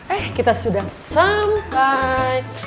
eh kita sudah sampai